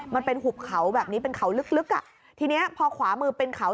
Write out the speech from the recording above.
มันเป็นหุบเขาแบบนี้เป็นเขาลึกอ่ะทีเนี้ยพอขวามือเป็นเขา